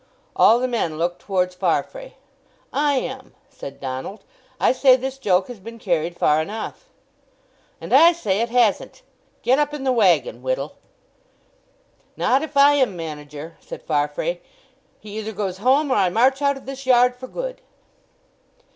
All the men looked towards Farfrae. "I am," said Donald. "I say this joke has been carried far enough." "And I say it hasn't! Get up in the waggon, Whittle." "Not if I am manager," said Farfrae. "He either goes home, or I march out of this yard for good."